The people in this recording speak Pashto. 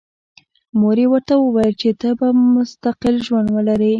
مور یې ورته وویل چې ته به مستقل ژوند ولرې